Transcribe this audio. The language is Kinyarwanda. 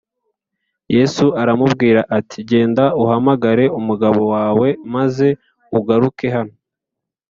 . Yesu aramubwira ati, “Genda uhamagare umugabo wawe maze ugaruke hano